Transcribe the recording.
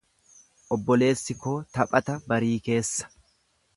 Obboleessi koo taphata barii keessa.